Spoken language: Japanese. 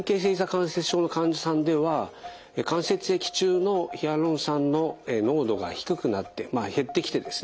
関節症の患者さんでは関節液中のヒアルロン酸の濃度が低くなって減ってきてですね